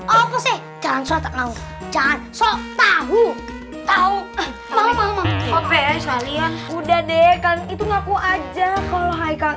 oh mpc jangan solat ngau jangan solat tahu tahu mau mau mau udah deh kan itu ngaku aja kalau haikal